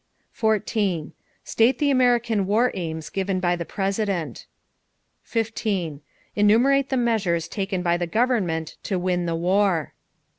14. State the American war aims given by the President. 15. Enumerate the measures taken by the government to win the war.